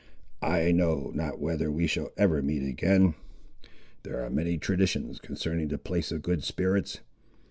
I know not whether we shall ever meet again. There are many traditions concerning the place of Good Spirits.